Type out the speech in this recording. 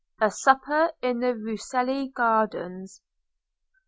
A Supper in the Rucellai Gardens.